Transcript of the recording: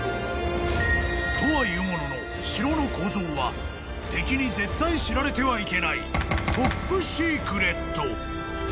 ［とはいうものの城の構造は敵に絶対知られてはいけないトップシークレット］